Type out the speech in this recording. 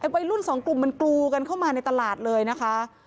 วัยรุ่นสองกลุ่มมันกรูกันเข้ามาในตลาดเลยนะคะ